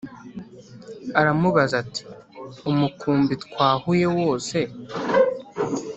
Aramubaza ati Umukumbi twahuye wose